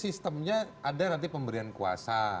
sistemnya ada nanti pemberian kuasa